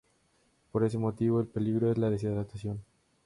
Por ese motivo, el peligro es la deshidratación.